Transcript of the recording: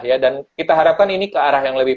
ya dan kita harapkan ini ke arah yang lebih